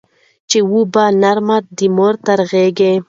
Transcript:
چي وو به نرم د مور تر غېږي